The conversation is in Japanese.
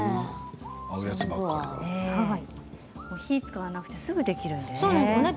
火を使わなくてすぐできるんですよね。